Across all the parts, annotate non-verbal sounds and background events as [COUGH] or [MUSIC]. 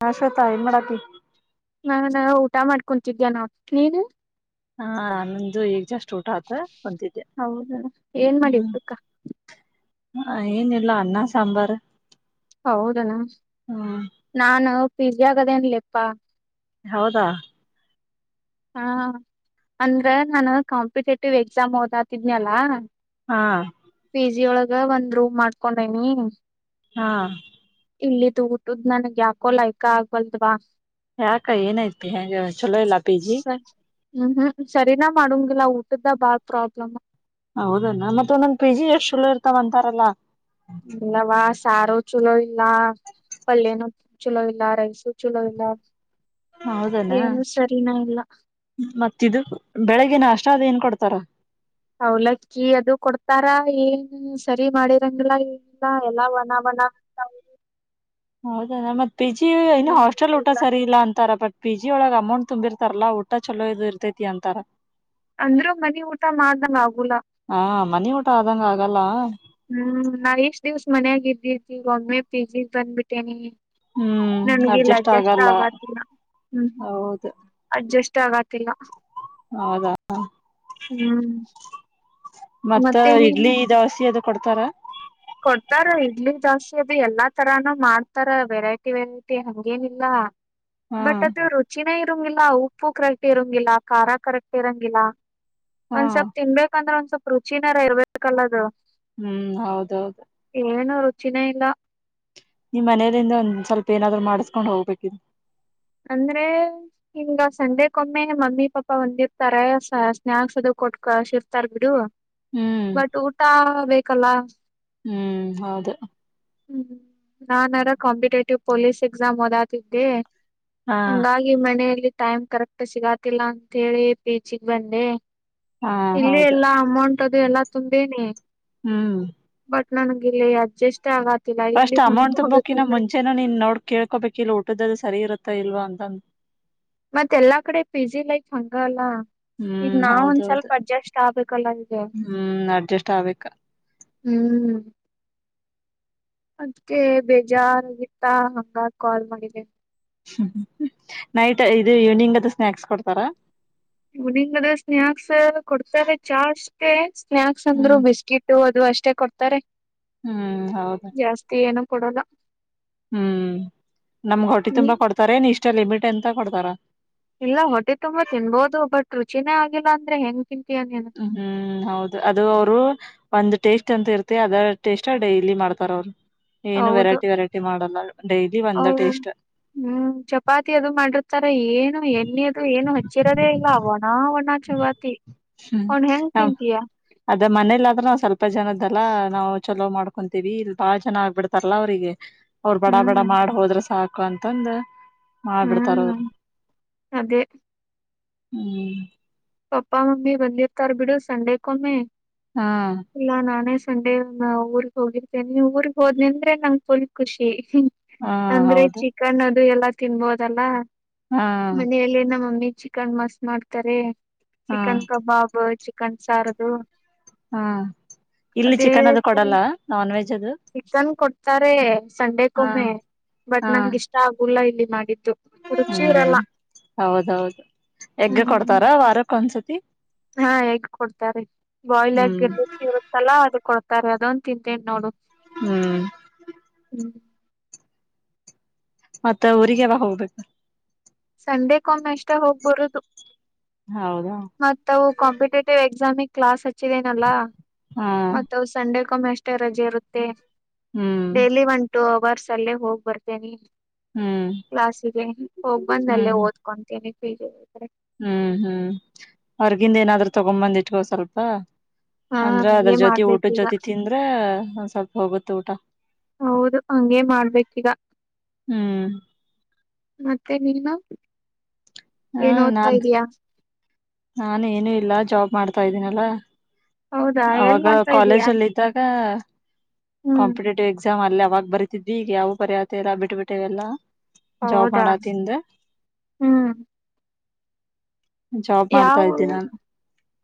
ಹಾ ಶ್ವೇತಾ ಎನ್ ಮಾಡಾತಿ. ನಾಾನ ಊಟ ಮಾಡ್ಕೊಂತಿದ್ದೇ ನ ನೀನು. ಹಾ ನನ್ನಂದು ಈಗ್ ಜಸ್ಟ್. ಚೋಟ ಆತ ಬಂತಿದ್ದೆ ಹೌದಣ ಏನ್ ಮಾಡಿ ಹ್ಮ್. ಊಟಕ್ಕ ಹ ಏನಿಲ್ಲ ಅನ್ನ ಸಾಂಬಾರ್. ಹೌದನ ಹ್ಮ್ ನಾನು ಪಿ ಜಿ ಆಗದೇನ್ಲಿಪ್ಪಾ. ಹೌದಾ ಹಾ ಅಂದ್ರೆ ನಾನು ಕಾಂಪಿಟೇಟಿವ್ ಎಕ್ಸಾಮ್ ಓದಾತಿದನಲ್ಲ. ಹಾ ಜಿ ಒಳಗ ಒಂದ್ ರೂಮ್ ಮಾಡ್ಕೊಂಡೇನಿ ಹಾ ಇಲ್ಲಿ ತ ಊಟದ್ ನನ್ಗ್ ಯಾಕೋ ಲೈಕ ಆಗ್ವಲ್ದವಾ ಯಾಕ ಏನಯ್ತಿ ಹೆಂ ಚಲೋ ಇಲ್ಲ ಪಿ ಜಿ ಸರಿ ಹ್ಮ್ ಹ್ಮ್ ಸರಿನಾ ಮಾಡಂಗಿಲ್ಲ ಊಟದ ಬಾಳ ಪ್ರಾಬ್ಲಮ್ ಹೌದಲ್ಲ ಮತ್ತ ಒಂದೊಂದ ಪಿ ಜಿ ಎಷ್ಟ್ ಚುಲ ಇರ್ತವ ಅಂತಾರಲ್ಲಾ ಇಲ್ಲವಾ ಸಾರು ಚಲೋ ಇಲ್ಲ ಪಲ್ಯನ ಚಲೋ ಇಲ್ಲ ರೈಸು ಜಿಲ್ಲ ಹೌದಾನ ಮತ್ತಿದದು ಬೆಳಗ್ಿನ ಅಷ್ಟ ಅೇನ್ ಕೊಡ್ತಾರ ಅವಲಕ್ಕಿ ಅದು ಕೊಡ್ತಾರ ಏನ್ ಸರಿ ಮಾಡಿರಂಗಿಲ್ಲಾ ಇಿಲ್ಲಾ ಎಲ್ಲ [INAUDIBLE] [INAUDIBLE] ಹೌದ ಮತ್ ಪಿ ಜಿ ಇನ್ನು ಹಾಸ್ಟೆಲ್ ಊಟ ಸರಿ ಇಲ್ಲ ಅಂತಾರ ಬಟ್ಟ ಪಿ ಜಿ ಒಳಗ್ ಅಮೌಂಟ್ ತುಂಬಿರ್ತಾರಲ್ಲಾ ಊಟ ಚಲೋ ಇದು ಇರ್ತೈತಿ ಅಂತಾರ ಅಂದ್ರೂ ಮನಿ ಊಟ ಮಾಡ್ದ ಆಗಲ ಗಲ್ಲ ಹ್ಮ್ ನಾ ಎಷ್ಟ್ ದಿವ್ಸ ಮನ್ಯಾಗ ಇದ್ದಿರ್ತಿಗೊಮ್ಮೆ ಪಿಜಿ ಬಂದ್ಬಿಟ್ಟೇನಿ ಹ್ಮ್ ನನ್ಗೆ ಇಲ್ಲಿ ಅಡ್ಜಸ್ಟ್ ಆಗಲ್ಲ ಆಗತಿಲ್ಲ ಹ್ಮ್ ಹೌದು ಅಡ್ಜಸ್ಟ್ ಇಷ್ಟ ಆಗತಿಲ್ಲ ಹೌದಾ ಹ್ಮ್ ಮತ್ತ ಮತ್ತೆ ನೀನ್ ಇಡ್ಲಿ ದವಸಿ ಅದು ಕೊಡ್ತಾರ ಕೊಡ್ತಾರ ಇಡ್ಲಿ ಜಾಸ್ತಿ ಅದು ಎಲ್ಲಾ ತರಾನು ಮಾಡ್ತಾರ ವೆರೈಟಿ ವೆರೈಟಿ ಹಂಗೇನಿಲ್ಲ ಹಾ ಬಟ್ ಅದು ರುಚಿನೇ ಇರಂಗಿಲ್ಲ ಉಪ್ಪು ಕರೆಕ್ಟ್ ಇರಂಗಿಲ್ಲ ಖಾರ ಕರೆಕ್ಟ್ ಇರಂಗಿಲ್ಲ ಹಾ ಒಂದ್ ಸ್ವಲ್ಪ್ ತಿನ್ಬೇಕಂದ್ರೆ ಒಂದ್ ಸ್ವಲ್ಪ್ ರುಚಿನಾರ ಇರ್ಬೇಕಲ್ಲದು ಹ್ಮ್ ಹೌದೌದು ಏನು ರುಚಿನೇ ಇಲ್ಲ ನಿಮ್ ಮನೆಯಲ್ಲಿಿಂದ ಒಂದ್ ಸ್ವಲ್ಪ ಏನಾದ್ರು ಮಾಡಸ್ಕೊಂಡ್ ಹೋಗ್ಬೇಕಿದದು ಅಂದ್ರೆ ಹಿಂಗ ಸಂಡೆಕ್ಕೊಮ್ಮೆ ಮಮ್ಮಿ ಪಾಪ ಒಂದಿರ್ತಾರ ಸ್ನಾಯಕ್ಸ್ ಅದು ಕೊಟ್ಕ ಶ ಇರ್ತಾರ್ ಬಿಡು ಹ್ಮ್ ಬಟ್ ಊಟ ಬೇಕಲ್ಲ ಹ್ಮ್ ಹೌದ ಹ್ಮ್ ನಾನನ್ಾರ ಕಾಂಪಿಟೇಟಿವ್ ಪೊಲೀಸ್ ಎಕ್ಸಾಮ್ ಓದತಿದ್ದೆ ಹಾ ಹಂಗಾಗಿ ಮನೆಯಲ್ಲಿ ಟೈಮ್ ಕರೆಕ್ಟ್ ಸಿಗಾತಿಲ್ಲ ಅಂತ ಹೇಳಿ ಪೇಜಗ್ ಬಂದೆ ಹಾ ಇಲ್ಲಿ ಹೌದು ಎಲ್ಲಾ ಅಮೌಂಟ್ ಅದು ಎಲ್ಲಾ ತುಂಬೇನಿ ಹ್ಮ್ ನನಲ್ಲಿ ಅಜಸ್ ಫಸ್ಟ್ ಅಮೌಂಟ್ ತುಂಬೋಕಿನ ಮುಂಚೆನ ನೀನ್ ನೋಡ್ ಕೇಕೋಬೇಕ ಇ ಊದ ಸರಿ ಇರುತ್ತ ಇಲ್ವಾ ಅಂತ ಮತ್ತ ಎಲ್ಲಾ ಕಡೆ ಪಿ ಜಿ ಲೈಫ್ ಹಂಗಲ್ಲ ಈಗ ಹ್ಮ್ ನಾವ ಒಂದ್ ಹೌದೌದು ಸ್ವಲ್ಪ ಅಡ್ಜಸ್ಟ್ ಆಗ್ಬೇಕಲ್ಲ ಈಗ ಹ್ಮ ಅಡ್ಜಸ್ ಆ ಹ್ಮ್ ಅದ್ಕ ಬೇಜಾರ್ಗತ್ತಾ ಹಂಗ ಕಾಲ್ ಮಾಡಿದೆ ಹ್ಮ ನೈಟ್ ಇದು ಈವ್ನಿಂಗ್ ಅದು ಸ್ನಾಯಕ್ಸ್ ಕೊಡ್ತಾರ ಇನಿಂಗ್ ಅದು ಸ್ನಾಯಕ್ಸ್ ಕೊಡ್ತಾರೆ ಚಾ ಅಷ್ಟೆ ಸ್ನಾಯಾಕ್ಸ್ ಅಂದ್ರು ಹ್ಮ್ ಬಿಸ್ಕಿಟ್ ಅದು ಅಷ್ಟೇ ಕೊಡ್ತಾರೆ ಹ್ಮ್ ಹೌದ ಜಾಸ್ತಿ ಏನು ಕೊಡಲ್ಲ ಹ್ಮ್ ನಮ್ಗ ಹೊಟ್ಟಿ ನೀ ತುಂಬಾ ಕೊಡ್ತಾರೇನ್ ಇಷ್ಟ ಲಿಮಿಟ್ ಎಂತ ಕೊಡ್ತಾರ ಇಲ್ಲ ಹೊಟ್ಟಿ ತುಂಬಾ ತಿನ್ಬೋದು ಬಟ್ ರುಚಿನೇ ಆಗಿಲ್ಲ ಅಂದ್ರ ಹೆಂಗ್ ತಿನ್ ಹ್ಮ್ ಹೌದು ಅದು ಅವರು ಒಂದ ಟೇಸ್ಟ್ ಅಂತ ಇರ್ತಿ ಅದ ಟೇಸ್ಟ್ ಡೈಲಿ ಮಾಡ್ತಾರ ಅವ್ರು ಏನು ಹೌದು ವೆರೈಟಿ ವೆರೈಟಿ ಮಾಡಲ್ಲ ಡೈಲಿ ಒಂದ ಹೌದು ಟೇಸ್ಟ್ ಹ್ಮ್ ಚಪಾತಿ ಅದು ಮಾಡಿರ್ತಾರ ಏನು ಎಣ್ಣಿಯದು ಏನು ಹಚ್ಚಿರದೇ ಇಲ್ಲ ವಣ ವಣ ಚಪಾತಿ ಹ್ಮ್ ನಮ ತಿಂತೀಯ ಅದ ಮನೇಲ್ಲಾದ್ರೂ ನಾವ ಸ್ವಲ್ಪ ಜನದಲ್ಲ ನಾವ ಚಲೋ ಮಾಡ್ಕೊಂತೀವಿ ಇಲ್ ಬಾಳ ಜನ ಆಗ್ಬಿಡ್ತಾರಲ್ಲ ಅವ್ರರಿಗೆ ಅವ್ರು ಬಡ ಬಡ ಹ್ಮ್ ಮಾಡ್ ಹೋದ್ರ ಸಾಕ ಕೊಂತಂದು ಹ್ಮ್ ಅದೇ ಹ್ಮ್ ಪಪ್ಪಾ ಮಮ್ಮಿ ಬಂದಿರ್ತಾರ್ ಬಿಡು ಸಂಡೆಕ್ಕೊಮ್ಮೆ ಹಾ ಇಲ್ಲ ನಾನೇ ಸಂಡೆ ಊರ್ಗ್ ಹೋಗಿರ್ತೇನೆ ಊರಿಗ‌ ಹೋದ್ನೆ ಅಂದ್ರೆ ನಂಗ ಫುಲ್ ಖುಷಿ ಹಾ ಅಂದ್ರೆ ಹೌದು ಚಿಕನ್ ಅದು ಎಲ್ಲಾ ತಿನ್ಬೋದಲ್ಲ ಹಾ ಮನೆಯಲ್ಲಿ ನಮ್ಮಮ್ಮಿ ಚಿಕನ್ ಮಸ್ತ್ ಮಾಡ್ತಾರೆ ಹಾ ಚಿಕನ್ ಕಬಾಬ್ ಚಿಕನ್ ಸಾರದು ಹ್ಮ ಇಲ್ಲಿ ಅದೇ ಚಿಕನ್ ಅದು ಕೊಡಲ್ಲ ನಾನ್ ವೆಜ್ ಅದು ಚಿಕನ್ ಕೊಡ್ತಾರೆ ಹಾ ಸಂಡೆಕ್ಕೊಮ್ಮೆ ಬಟ್ ಹಾ ನಂಗ ಇಷ್ಟ ಆಗುಲ್ಲ ಇಲ್ಲಿ ಮಾಡಿದ್ ರುಚಿರಲ್ಲ ಹ್ಮ್ ಹೌದೌದು ಎಗ್ ಹ್ಮ್ ಕೊಡ್ತಾರ ವಾರಕ್ ಒಂದ್ಸತಿ ಹಾ ಹೇಗ್ ಕೊಡ್ತಾರೆ ಬಾಯ್ಲ್ ಹ್ಮ್ ಆಗ ಇರುತ್ತಲ್ಲಾ ಅದ ಕೊಡ್ತಾರೆ ಅದೊಂದ ತಿಂತಿನ್ ನೋಡು ಹ್ಮ್ ಹ್ಮ್ ಮತ್ತ ಊರಿಗ್ಯವಾಗ ಹೋಗ್ಬೇಕ ಸಂಡೆಕ್ಕೊಮ್ಮೆ ಅಷ್ಟ ಹೋಗ್ಬರುದು ಹೌದಾ ಮತ್ತ ಅವು ಕಾಂಪಿಟೇಟಿವ್ ಎಕ್ಸಾಮಿಗ ಕ್ಲಾಸ್ ಹ ಹಚ್ಚಿದೇನಲ್ಲ ಹಾ ಮತ್ತ ಅವು ಸಂಡೆಕ್ಕೊಮ್ಮೆ ಅಷ್ಟೇ ರಜೆ ಇರುತ್ತೆ ಹ್ಮ್ ಡೇಲಿ ಒನ್ ಟೂ ಅವರ್ಸ್ ಅಲ್ಲೇ ಹೋಗ್ ಬರ್ತೇನಿ ಹ್ಮ್ ಕ್ಲಾಸಿಗೆ ಹೋಗ್ ಬಂದಲ್ಲೇ ಹ್ಮ್ ಓದ್ಕೊಂತೀನಿ ಪಿಜಿಗ ಹ್ಮ್ ಹ್ಮ್ ಹೊರ್ಗಿಂದ ಏನಾದ್ರು ತಗೊ ಬಂದಿಟ್ಕೊ ಸ್ವಲ್ಪ ಹಾ ಅಂದ್ರ ಅದ್ರ ಹಂಗೆ ಜೊತಿ ಊಟದ ಮಾಡ್ಬೇಕೀಗ ಜೊತಿ ತಿಂದ್ರ ಒಂದ ಸ್ವಲ್ಪ ಹೋಗುತ್ತ ಊಟ ಹೌದು ಹಂಗೇ ಮಾಡ್ಬೇಕೀಗ ಹ್ಮ್ ಮತ್ತೆ ನೀನು ಏನ್ ಓದ್ತಾ ಇದಯಾ ನಾ ಏನು ಇಲ್ಲ ಜಾಬ್ ಮಾಡ್ತಾ ಇದ್ದೀನಲ್ಲಾ ಹೌದಾ ಎಲ್ ಅವಾಗ ಮಾಡ್ತಾ ಇದೀಯಾ ಕಾಲೇಜ್ ಅಲ್ಲಿ ಇದ್ದಾಗ ಹ್ಮ್ ಕಾಂಪಿಟೇಟಿವ್ ಎಕ್ಸಾಮ್ ಅಲ್ಲಿ ಯಾವಾಗ ಬರೀತಿದ್ವಿ ಈಗ ಯಾವು ಬರೆದೆ ಇಲ್ಲ ಬಿಟ್ಟ ಬಿಟ್ಟೇವೆಲ್ಲ ಜಾಬ್ ಹೌದಾ ಮಾಡತಿಂದ ಹ್ಮ್ ಜಾಬ್ ಮಾಡ್ತಾ ಯಾವ ಇದ್ದೆ ಊರು ನಾನು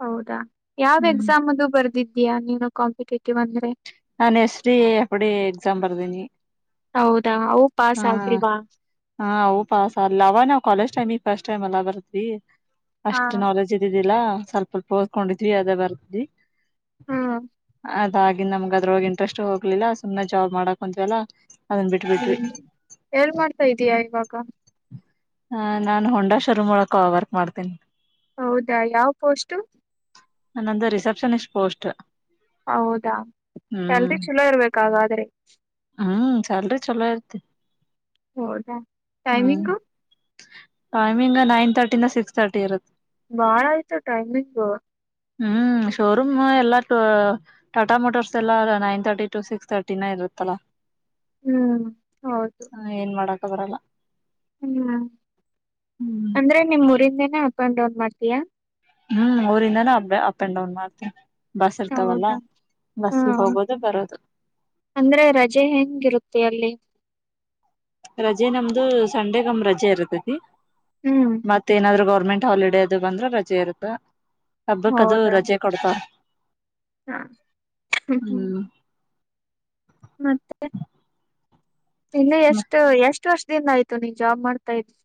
ಹೌದಾ ಯಾವ ಹ್ಮ್ ಎಕ್ಸಾಮ ಅದು ಬರ್ದಿದ ನೀನು ಕಾಂಪಿಟೇಟಿವ ಅಂದ್ರೆ ನಾನು ಎಸ್ ಡಿ ಎಪಡಿ ಎಕ್ಸಾಮ್ ಬರ್ದೀನಿ ಹೌದಾ ಅವು ಹ್ಮ ಪಾಸ್ ಆಗಿಲ್ವಾ ಹಾ ಅವು ಪಾಸಲಾ ಅವಗ ನಾವ ಕಾಲಜ ಟೈಮಫಸ್ಟ್ ಟೈಮ್ ಎಲ್ಲ ಬರದಿ ಹಾ ಅಷ್ಟು ನಾಲೆಜ್ ಇದ ಸ್ವಲ್ಪ ಸ್ವಲ್ಪ ಓದಕೊಂಡಿದವಿ ಅದ ಬರದಿದವಿ ಹ್ಮ್ ಅದಾಗಿ ನಮ ಅದ್ರೂಳಗ ಇಂಟ್ರೆಸ್ಟ್ ಹೋಗ್ಲಿಲ್ಲ ಸುಮ್ಮನೆ ಜಾಬ್ ಮಾಡಕುಂತವಲ್ಲ ಹ್ಮ್ ಎಲ್ಲ ಮಾಡ್ತಾ ಇದೀಯ ಇವಾಗ ಹ ನಾನ್ ಹೊಂಡಾ ಶೋರೂಂ ಒಳಗ ವರ್ಕ್ ಮಾಡ್ತೇನಿ ಹೌದಾ ಯಾವ ಪೋಸ್ಟು ನಂದ ರಿಸೆಪ್ಷನಿಸ್ಟ್ ಪೋಸ್ಟ್ ಹೌದಾ ಹ್ಮ್ ಸ್ಯಾಲರಿ ಚಲೋ ಇರ್ಬೇಕ ಹಾಗಾದ್ರೆ ಹ್ಮ್ ಸ್ಯಾಲ್ರಿ [INAUDIBLE] ಹೊದ ಹ್ಮ್ ಟೈಮಿಂಗು. ಟೈಮಿಂಗ್ ನೈನ್ ತರ್ಟಿಿಂದ ಸಿಕ್ಸ್ ತರ್ಟಿ ಇರುತ್ತೆ. ಬಾಳ ಆಯ್ತು ಟೈಮಿಂಗು. ಹ್ಮ್ ಶೋರೂಮ್ ಎಲ್ಲಾ ಟಾಟಾ ಮೋಟರ್ಸ್ ಎಲ್ಲ ನೈನ್ ತರ್ಟಿ ಟು ಸಿಕ್ಸ್ ತರ್ಟಿನ ಇದು. [UNINTELLIGIBLE] ಹ್ಮ್ ಹೌದು. [UNINTELLIGIBLE] ಹ್ಮ್ ಹ್ಮ್ ಅಂದ್ರೆ ನಿಮ್ ಊರಿಂದೇನ ಅಪ್ ಅಂಡ್ ಡೌನ್ ಮಾಡ್ತೀಯಾ. ಹ್ಮ್ ಊರಿಂದಾನ ಅಪ್ ಡ ಅಪ್ಪ ಅಪ್ ಅಂಡ್ ಡೌನ್ ಮಾಡ್ತ ಬಸ್ ಇರ್ತಾವಲ್ಲ ಹೌದಾ ಹಾ ಬಸ್ಸಿಗ ಹೋಗೋದು ಬರೋದು. ಅಂದ್ರೆ ರಜೆ ಹೆಂಗಿರುತ್ತೆ ಅಲ್ಲಿ. ರಜೆ ನಮ್ದು ಸಂಡೆಗಮ್ ರಜೆ ಇರತತಿ ಹ್ಮ್ ಮತ್ತ ಏನಾದ್ರೂ ಗೊರ್ ಗೌರ್ಮೆಂಟ್ ಹಾಲಿಡೇ ಅದು ಬಂದ್ರೆ ರಜೆ ಇರುತ್ತ. ಹಬ್ಬಕ್ಕದು ಹೌದಾ ರಜೆ ಕೊಡ್ತಾರ ಹ ಹ್ಮ್. ಮತ್ತೆ ಇನ್ನೂ ಎಷ್ಟು ಎಷ್ಟು ವರ್ಷ ಿನ ಆಯ್ತು ನೀನ್ ಜಾಬ್ ಮಾಡ್ತಾ ಇದ್ರರಿ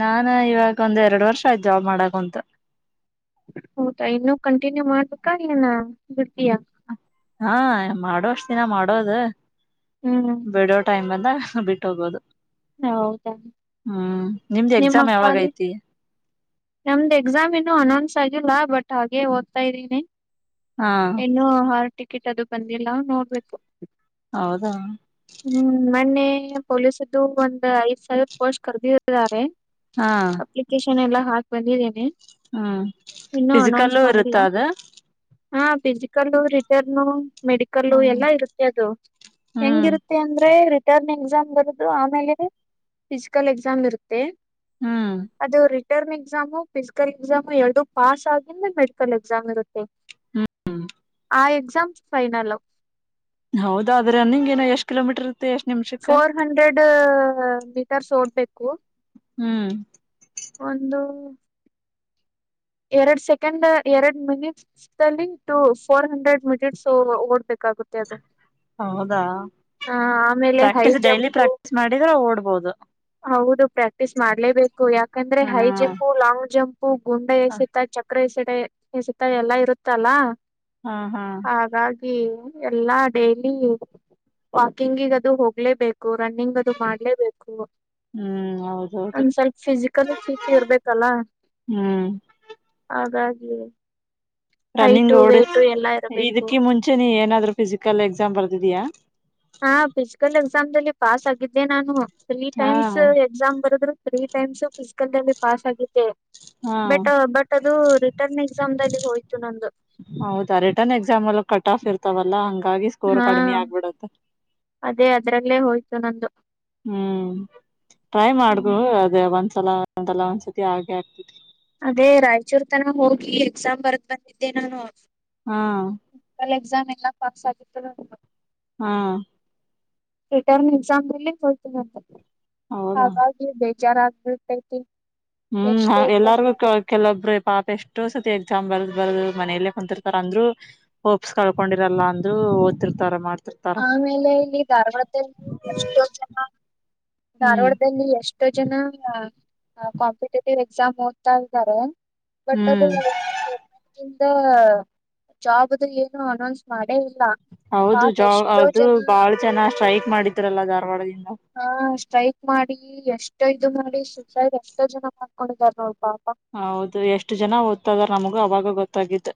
ನಾನ ಇವಾಗ ಒಂದ್ ಎರಡು ವರ್ಷ ಆಯ್ತು ಜಾಬ್ ಮಾಡಾಕುಂತ. ಹೌದಾ ಇನ್ನುೂ ಕಂಟಿನ್ಯೂ ಮಾಡ್ಬೇಕಾನ ಬಿಡ್ ಹಾ ಮಾಡುವಷ್ಟ ದಿನ ಮಾಡೋದು ಹ್ಮ್ ಬಿಡೋ ಟೈಮ್ಲ್ಲಿ ಅ ಬಿಟ್ಟ ಹೋಗೋದು. ಹೌದಾ ಹ್ಮ್ ನಿಮ್ದು ಎಕ್ಸಾಮ್ ಯಾವಾಗ ನಿಮ್ಮಕ್ಕದು. ಐತಿ ನಮ್ದು ಎಕ್ಸಾಮ್ ಇನ್ನುೂ ಅನೌನ್ಸ್ ಆಗಿಲ್ಲ ಬಟ್. ಹಾಗೆ ಓದ್ತಾ ಇದ್ದೀನಿ ಹಾ ಇನ್ನೂ ಹಾಲ್ ಟಿಕೆಟ್ ಅದು ಬಂದಿಲ್ಲ ನೋಡ್ಬೇಕು. ಹೌದಾ. ಪೊಲೀಸದು ಒಂದ ಐದ ಸಾವಿರ ಪೋಸ್ಟ್ ಕರೆದಿದ್ದಾರೆ ಹಾ ಅಪ್ಲಿಕೇಶನ್ ಎಲ್ಲಾ ಹಾಕಿ. ಹಾಕ್ ಬಂದಿದ್ದೇನೆ. ಹ್ಮ್ ಇನ್ನೂ ಅನೌನ್ಸ್ ಫಿಸಿಕಲ್ಲ ಇರುತ್ತ ಮಾಡಿಲ್ಲ ಅದ. ಹಾ ಫಿಜಿಕಲ್ ರಿಟರ್ನು. ಮೆಡಿಕಲ್ ಹ್ಮ್ ಎಲ್ಲಾ ಇರುತ್ತೆ ಅದು ಹ್ಮ್ ಹೆಂಗಿರುತ್ತೆ ಅಂದ್ರೆ ರಿಟರ್ನ್ ಎಕ್ಸಾಮ್ ಬರಿ ಅದು ಆಮೇಲೆ ಫಿಸಿಕಲ್ ಎಕ್ಸಾಮ್ ಇರುತ್ತೆ ಹ್ಮ್ ಅದು ರಿಟ್ ರಿಟರ್ನ್ ಎಕ್ಸಾಮು ಫಿಸಿಕಲ್ ಎಕ್ಸಾಮು ಎರಡು ಪಾಸ್ ಆಗಿಂದ್ರೆ ಮೆಡಿಕಲ್ ಎಕ್ಸಾಮ್ ಇರುತ್ತೆ. ಆ ಎಕ್ಸಾಮ್ ಫೈನಲು. ಹೌದಾ ಆದ್ರ ರನ್ನಿಂಗ್ ಏನು ಎಷ್ಟು ಕಿಲೋಮೀಟರ್ ಇರುತ್ತೆ ಎಷ್ಟ್ ನಿಮಿಷಕ್ಕ ಫೋರ್ ಹಂಡ್ರೆಡ್ ಮೀಟರ್ಸ್ ಓಡ್ಬೇಕು. ಹ್ಮ್. ಒಂದು. ಎರಡ್ ಸೆಕೆಂಡ್ ಎರಡ್ ಮಿನಿಟ್ಸ್ಲ್ಲಿ ಟು ಫೋರ್ ಹಂಡ್ರೆಡ್ ಮಿನಿಟ್ಸ್ ಓಡ್ಬೇಕ. ಹೌದಾ ಆ ಆಮೇಲೆ high practice daily jump practice ಮಾಡಿದ್ರೆ ಓಡ್ಬ ಹೌದು. ಹೌದು ಪ್ರಾಕ್ಟೀಸ್ ಮಾಡ್ಲೇಬೇಕು ಯಾಕಂದ್ರೆ ಹೈ ಹ್ಮ್ ಜಂಪು ಲಾಂಗ್ ಜಂಪ್. ಹೂ ಗುಂಡ ಎಸತ ಚಕ್ರ ಎಸೆತಾ ಎಸತ ಎಲ್ಲಾ ಇರುತ್ತಲ್ಲಾ. ಹಾ ಹಾ. ಹ ಎಲ್ಲಾ ಡೈಲಿ. ವಾಕಿಂಗ ಅದು ಹೋಗ್ಲೇಬೇಕು ರನ್ನಿಂಗ್ ಅದು ಮಾಡ್ಲೇಬೇಕು. ಹ್ಮ್ ಹೌದೌದು ಒಂದ ಸ್ವಲ್ಪ ಫಿಸಿಕಲ್ ಫಿಟ್ ಇರ್ಬೇಕಲ್ಲ. ಹ್ಮ್ ಹಾಗಾಗಿ. ರನ್ನಿಂಗ್ ಹೈಟು ಓಡಸ ವೇಟು ಎಲ್ಲಾ ಇರಬೇಕು ಇದಕ್ಕ ಮುಂಚೆ ನೀ ಏನಾದ್ರು ಫಿಸಿಕಲ್ ಎಕ್ಸಾಮ್ ಬರ್ದಿದೀಯಾ. ಹಾ ಫಿಸಿಕಲ್ ಎಕ್ಸಾಮ್ಲ್ಲಿ ಪಾಸ್ ಆಗಿದ್ದೆ ನಾನು ತ್ರೀ ಹಾ ಟೈಮ್ಸ್ ಎಕ್ಸಾಮ್ ಬರದ್ರು. ತ್ರೀ ಟೈಮ್ಸ್ ಫಿಸಿಕಲ್ ನಲ್ಲಿ ಪಾಸ್ ಆಗಿದ್ದೆ. ಹಾ ಬೇಟ್ ಬಟ್ ಅದು ರಿಟರ್ನ್ ಎಕ್ಸಾಮ್ ದಲ್ಲಿ ಹೋಯ್ತು ನಂದು. ಹೌದಾ ರಿಟರ್ನ್ ಎಕ್ಸಾಮಲ್ಲು ಕಟ್ ಆಫ್ ಇರ್ತವಲ್ಲಾ ಹಂಗ. ಗಾಗಿ ಸ್ಕೋರ್ ಹಾ ಕಡಿಮಿ ಆಗ್ಬಿಡುತ್ತೆ. ಅದೇ ಅದ್ರಲ್ಲೇ ಹೋಯ್ತು ನಂದು ಹ್ಮ್ ಹ್ಮ್ ದಲ್ಲ ಒಂದಲ್ಲ ಒಂದ್ಸತಿ ಆಗೆ ಆಗತೇತಿ. ಅದೇ ರಾಯಚೂರ್ ತನಾ ಹೋಗಿ ಎಕ್ಸಾಮ್ ಬರದ್ ಬಂದಿದ್ದೆ ನಾನು. ಹಾ. ಫಿಸಿಕಲ್ ಎಕ್ಸಾಮ್ ಎಲ್ಲಾ ಪಾಸಾಗಿತ್ತು ನಂದು. ಹಾ. ರಿಟರ್ನ್ ಎಕ್ಸಾಮನಲ್ಲಿ ಹೋಯ್ತು ನಂದು ಹೌದಾ ಹಾಗಾಗಿ ಬೇಜಾರಾಗ್ಬಿಡ್ತೈತಿ. ಹ್ಮ್ ಹಾ ಎಲ್ಲಾರ್ಗು ಕೆಲವೊಬ್ಬ್ರ. ಪಾಪ ಎಷ್ಟೋ ಸತಿ ಎಕ್ಸಾಮ್ ಬರ್ದ್ ಬರದು ಮನೆಯಲ್ಲೇ ಕುಂತಿರ್ತಾರ ಅಂದ್ರು ಹೋಪ್ಸ್ ಕಳ್ಕೊಂಡಿರಲ್ಲ ಅಂದ್ರು. ದ್ರು ಓದ್ತೀರ್ಥಾರೆ ಮಾಡ್ತ್. ಆಮೇಲೆ ಇಲ್ಲಿ ಧಾರವಾಡದಲ್ಲಿ ಎಷ್ಟೋ ಜನಾ. ಹ್ಮ್ ಧಾರವಾಡದಲ್ಲಿ ಎಷ್ಟೋ ಜನಾ. ಕಾಂಪಿಟೇಟಿವ್ ಎಕ್ಸಾಮ್ ಓದ್ತಾ ಇದಾರೆ ಬಟ್ ಅದು. ಹ್ಮ್ ದ ಜಾಬ್ದ ಏನು ಅನೌನ್ಸ್ ಮಾಡೇ ಇಲ್ಲಾ. ಹೌದು ಪಾಪ ಜ ಎಷ್ಟೋ ಅದು ಜನ ಬಾಳ ಜನಾ ಸ್ಟ್ರೈಕ್ ಮಾಡಿದ್ರಲ್ಲ ಧಾರವಾಡದಿಂದ. ಹಾ ಸ್ಟ್ರೈಕ್ ಮಾಡಿ ಎಷ್ಟು ಇದು ಮಾಡಿ ಸೂಸೈಡ್ ಎಷ್ಟೋ ಜನ ಮಾಡ್ಕೊಂಡಿದ್ದಾರ ನೋಡ್ ಪಾಪ್. ಹೌದು ಎಷ್ಟು ಜನಾ ಓದ್ತಾಯಿದಾರ್ ನಮ್ಗು ಅವಾಗ ಗೊತ್ತಾಗಿದ್ದ.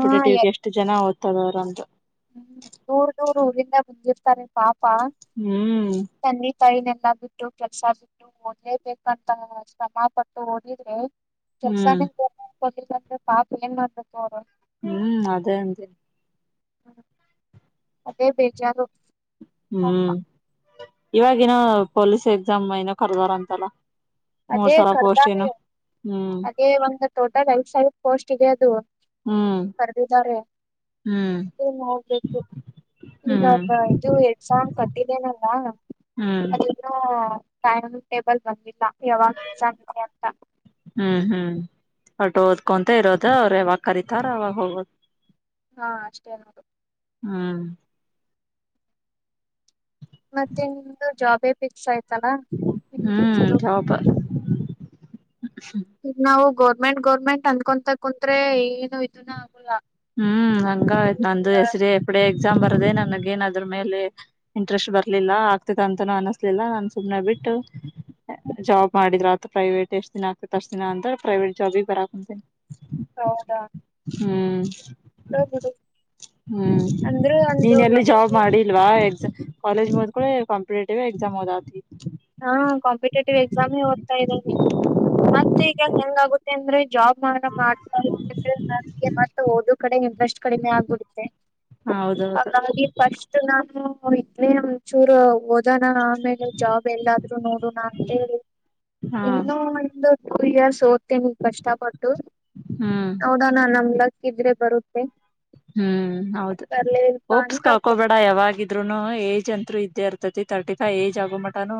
ಆ ಎಷ್ಟ ಜನಾ ಓದ್ತಾವ್ರಂತ. ಹ್ಮ್ ದೂರ್ ದೂರ್ ಊರಿಂದ ಬಂದಿರ್ತಾರೆ ಪಾಪ್. ಹ್ಮ್. ತಯನೆೆಲ್ಲಾ ಬಿಟ್ಟು ಕೆಲ್ಸಾ ಬಿಟ್ಟು ಓದಲೇಬೇಕಂತಾ ಶ್ರಮಾ ಪಟ್ಟು ಓದಿದ್ರೆ. ಹ್ಮ್ ಕೆಲ್ಸಾನೇ ಗವರ್ನಮೆಂಟ್ ಕೊಡ್ಲಿಲ್ಲಾ ಅಂದ್ರೆ ಪಾಪ ಏನ್ ಮಾಡ್ಬೇಕು ಅವ್ರು. ಹ್ಮ್ ಅದೇ ಅಂದೇ. ಅದೇ ಬೇಜಾರೂ. ಹ್ಮ್ ಇವಾಗೆನೋ ಪೊಲೀಸ್ ಎಕ್ಸಾಮ್ ಏನೋ ಕರ್ದಾರ ಅಂತಲ್ಲಾ. ಅದೇ ಕರ್ದಾರೆ. ಹ್ಮ್ ಅದೇ ಒಂದ್ ಟೋಟಲ್ ಐದಸಾವಿರ್ ಪೋಸ್ಟ್ ಇದೆ ಅದು ಹ್ಮ್ ಕರದಿದ್ದಾರೆ. ಹ್ಮ್ ಇನ್ನ ಹೋಗ್ಬೇಕು ಇನ್ನ ಹ್ಮ್ ಅ ಇದು ಎಕ್ಸಾಮ್ ಕ. ಇದೇನಲ್ಲಾ ಹ್ಮ್ ಅದಿನ್ನು ಟಾಯಮ್ ಟೇಬಲ್ ಬಂದಿಲ್ಲಾ. ಯವಾಗ್ ಎಕ್ಸಾಮ್ ಇದೆಂತಾ. ಒಟ್ಟ ಓದ್ಕೊಂತ ಇರೋದ ಅವ್ರ ಯಾವಾಗ್ ಕರೀತಾರ ಅವಾಗ ಹೋಗೋದ. ಹಾ ಅಷ್ಟೇ ನೋಡು. ಹ್ಮ್. ಮತ್ತೆ ನಿಮ್ದು ಜಾಬೇ ಫಿಕ್ಸ್ ಆಯ್ತಲ್ಲಾ ನಿಮ್ದೆ ಹ್ಮ್ ಚೊಲೋ. ಜಾಬ್ ಈಗ ನಾವು ಗೋರ್ಮೆಂಟ್ ಗೋರ್ಮೆಂಟ್ ಅಂದಕೊಂತ ಕುಂತ್ರೆ ಏನು ಇದುನ್ನೇ ಆಗೊಲ್ಲಾ. ಹ್ಮ್ ಹಂಗ ಆಯ್ತ ನಂದು ಎಸ್ಡಿಎ ಎಪ್ಡಿಎ. ಎಕ್ಸಾಮ್ ಬರ್ದೇ ನನಗೇನ ಅದ್ರ ಮೇಲೆ ಇಂಟ್ರೆಸ್ಟ್ ಬರ್ಲಿಲ್ಲ ಆಗ್ತೆತ ಅಂತನೂ ಅನಸ್ಲಿಲ್ಲಾ ನಾನ್ ಸುಮ್ನೆ ಬಿಟ್. ಟ. ಜಾಬ್ ಮಾಡಿದ್ರ ಆತ್ ಪ್ರೈವೇಟ್ ಎಷ್ಟ್ ದಿನಾ ಆಗ್ತೆತ್ ಅಷ್ಟ್ ದಿನಾ ಅಂತೇಳಿ ಪ್ರೈವೇಟ್ ಜಾಬಿ ಬರಾಕುಂತಿನ. ಹೌದಾ. ಹ್ಮ್. ಚೊಲೋ ಬಿಡು. ಹ್ಮ್ ಅಂದ್ರು ಒಂದು ನೀನೆಲ್ಲಿ ಜಾಬ್ ಮನಿಗೆ ಮಾಡಿಲ್ವಾ ಎಕ್ಸ ಕಾಲೇಜ್ ಮೂದ್ಕೂಳೆ. ಕಂಪಟೇಟಿವ ಎಕ್ಸಾಮ್ ಓದಾತಿ. ಹಾ ಕಾಂಪಿಟೇಟಿವ್ ಎಕ್ಸಾಮೇ ಓದ್ತಾ ಇದೀನಿ ಮತ್ತೆ ಈಗ ಹೆಂಗ ಆಗುತ್ತೆ ಅಂದ್ರೆ. ಜಾಬ್ ಮಾಡೋ ಮಾಡ್ತಾ ನಮಗೆ ಮತ್ತ ಓದೋದ್ ಕಡೆ ಇಂಟ್ರೆಸ್ಟ್ ಕಡಿಮೆ ಆಗ್ಬಿಡುತ್ತೆ. ಹೌದೌದು ಹಂಗಾಗಿ ಫಸ್ಟ್ ನಾನು ಇದನೇ ಒಂಚೂರ್ ಓದೋನಾ ಆಮೇಲೆ ಜಾಬ್. ಬೆಲ್ಲಾದ್ರು ನೋಡುಣಾಂತೇಳಿ ಹಾ ಇನ್ನೂ ಒಂದ್ ಟೂ ಇಯರ್ಸ್ ಓದ್ಬೇಕ. ನೀ ಕಷ್ಟಪಟ್ಟು ಹ್ಮ್ ನೋಡೋಣ ನಮ್ಲಕ್ ಇದ್ರೆ ಬರುತ್ತೆ ಹ್ಮ್ ಹೌದು ಬರ್ಲಿಲ್ಲಪ್ಪ ಓಪ್ಸ್ ಕ ಅಂದ್ರ ಹಾಕೋಬೇಡ ಯಾವಾಗಿದ್ರುನು ಏಜ್ ಅಂತತ್ೂ ಇದ್ದೇ ಇರ್ತತಿ ತರ್ಟಿ ಫೈವ್ ಏಜ್ ಆಗೋ ಮಟಾನು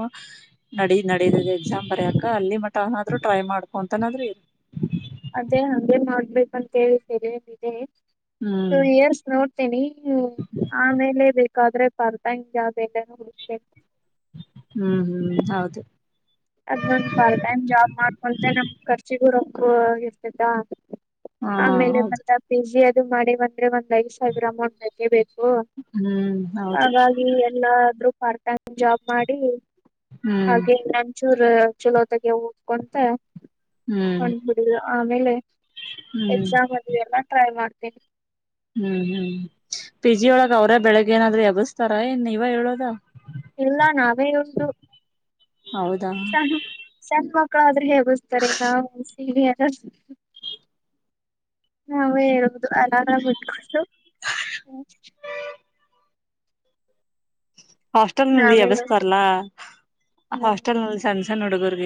ನಡ ನಡೀದೆ ಎಕ್ಸಾಮ್ ಬರಯಕ ಅಲ್ಲಿ ಮಟ್ಟ ಅನಾದ್ರರು ಟ್ರೈ ಮಾಡ್ಕೊಂತನಾದ್ರೆ ಇ ಅದೇ ಹೇ ಮಾಡ್ಬೇಕಂತೇಳಿ ಸೆರಿದೆ ಹ್ಮ್ ಟು ಇಯರ್ಸ್ ನೋಡ್ತೇನಿ ಹ್ಮ ಆಮೇಲೆ ಬು ಬಾದ್ರೆ ಪರ್ದಾಂಗಗೆ ಯಾವ್ದ ಎಲ್ಲನ ಹಬೇಕ ಹ್ಮ್ ಹ್ಮ್ ಹೌದು ಅದ್ ನನ್ ಪಾರ್ಟ್ ಟೈಮ್ ಜಾಬ್ ಮಾಡ್ಕೊಂತ ನಮ್ ಖರ್ಚಿಗೂರಕ್ಕ ಇರ್ತದ ಹಾ ಆಮೇಲೆ ಹೌದು ಮತ್ತ ಪಿ ಜಿ ಅದು ಮಾಡಿ ಒ ್ರೆ ಒಂದ್ ಐ್ ಸಾವಿರ ಅಮೌಂಟ್ ಬೇಕೇ ಬೇಕು ಹ್ಮ್ ಹೌದು ಹಾಗಾಗಿ ಎಲ್ಲಾದೂ ಪಾರ್ಟ್ ಟೈಮ್ ಜಾಬ್ ಮಾಡಿ ಹ್ಮ್ ಹಾಗೆ ಚೂರು ಚಲೋತೆಗೆ ಓದ್ಕೊಂತ ಹ್ಮ್ ಕೊಂಡಬಿಡು ಆಮೇಲೆ ಹ್ಮ್ ಎಕ್ಸಾಮ್ ಅಲ್ಲಿ ಎಲ್ಲ ಟ್ರೈ ಮಾಡ್ತೀನಿ ಹ್ಮ್ ಹ್ಮ್ ಪಿ ಜಿ ಒಳಗ ಅವ್ರ ಬೆಳಿಗ್ ಏನಾದ್ರೂ ಯಬಿಸತಾರ ಏನ್ ನೀವ ಹೇಳೋದ ಇಲ್ಲ ನಾವೇ ಒಂದು ಹೌದಾ ಸಣ್ಣ ಸಣ್ಣ ಮಕ್ಕಳಾದ್ರೆ ಬ್ತಾರೆೇ ನಾವು ಸಿ ನಾವೇ ಹಬುದು ಅರಾರ ಬಿಟ್ಕು [INAUDIBLE] ಹಾಸ್ಟೆಲ್ ನಲ್ಲಿ ನಾವೇ ವ್ಯವಸ್ಥ ಇರುದು ಅಲ್ಲ ಹ್ಮ್ ಹಾಸ್ಟೆಲ್ ನಲ್ಲಿ ಸಣ್ಣ ಸಣ್ಣ ಹುಡುಗರ್ರಿಗೆ